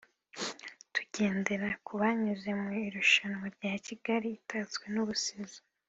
tugendera ku banyuze mu irushanwa rya Kigali Itatswe n’Ubusizi